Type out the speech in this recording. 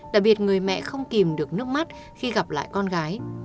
đặc biệt người mẹ không kìm được nước mắt khi gặp lại con gái